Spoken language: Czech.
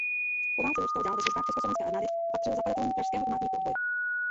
Po válce zůstal dál ve službách československé armády a patřil zakladatelům pražského Památníku odboje.